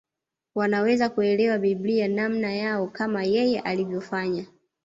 Wanaweza kuelewa Biblia namna yao kama yeye alivyofanya